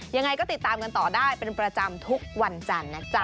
ยังไงก็ติดตามกันต่อได้เป็นประจำทุกวันจันทร์นะจ๊ะ